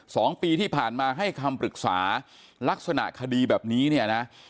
สองปีที่ผ่านมาให้คำปรึกษาลักษณะคดีแบบนี้เนี่ยนะ